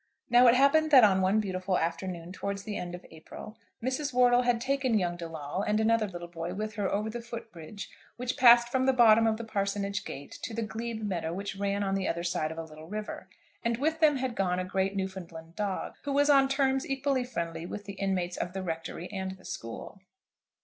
Now it happened that on one beautiful afternoon towards the end of April, Mrs. Wortle had taken young De Lawle and another little boy with her over the foot bridge which passed from the bottom of the parsonage garden to the glebe meadow which ran on the other side of a little river, and with them had gone a great Newfoundland dog, who was on terms equally friendly with the inmates of the Rectory and the school.